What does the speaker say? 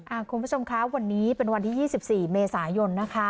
คุณผู้ชมคะวันนี้เป็นวันที่๒๔เมษายนนะคะ